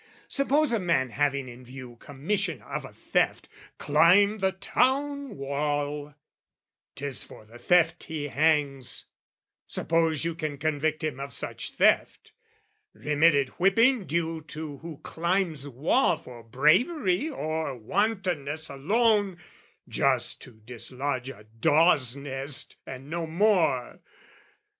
Suppose a man Having in view commission of a theft, Climb the town wall: 'tis for the theft he hangs, Suppose you can convict him of such theft, Remitted whipping due to who climbs wall For bravery or wantonness alone, Just to dislodge a daw's nest and no more.